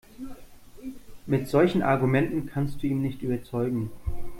Mit solchen Argumenten kannst du ihn nicht überzeugen.